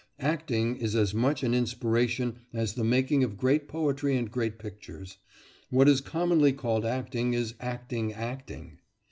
Acting is as much an inspiration as the making of great poetry and great pictures. What is commonly called acting is acting acting.